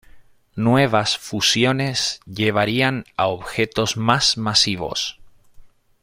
Nuevas fusiones llevarían a objetos más masivos.